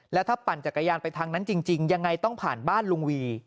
แล้วถ้าปั่นจักรยานไปทางนั้นจริงยังไงต้องผ่านบ้านลุงวี